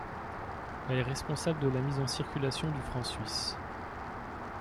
Elle est responsable de la mise en circulation du franc suisse.